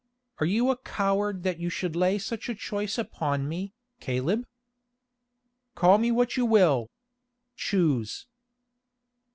"Are you a coward that you should lay such a choice upon me, Caleb?" "Call me what you will. Choose."